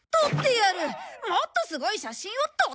もっとすごい写真を撮ってくる！